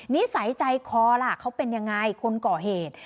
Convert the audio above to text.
นิสัยใจคอล่ะเขาเป็นยังไงคนก่อเหตุ